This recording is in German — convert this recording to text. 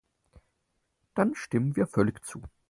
Dann stimmen wir völlig zu.